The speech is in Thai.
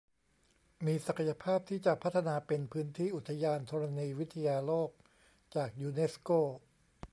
มีศักยภาพที่จะพัฒนาเป็นพื้นที่อุทยานธรณีวิทยาโลกจากยูเนสโก